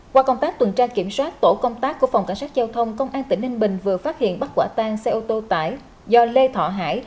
qua công tác tuần tra kiểm soát tổ công tác của phòng cảnh sát giao thông công an tỉnh ninh bình vừa phát hiện bắt quả tang xe ô tô tải do lê thọ hải